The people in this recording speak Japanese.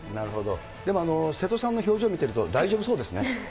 でも瀬戸さんの表情見てると、大丈夫そうですね。